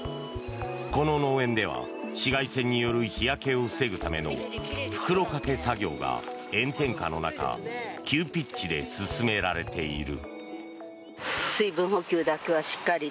この農園では紫外線による日焼けを防ぐための袋かけ作業が炎天下の中急ピッチで進められている。